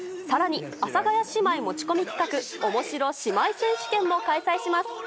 さらに、阿佐ヶ谷姉妹持ち込み企画、おもしろ姉妹選手権も開催します。